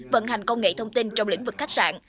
vận hành công nghệ thông tin trong lĩnh vực khách sạn